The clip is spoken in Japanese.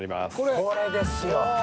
これですよ。